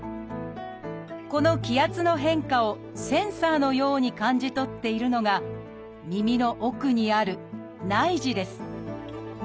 この気圧の変化をセンサーのように感じ取っているのが耳の奥にある「内耳」です。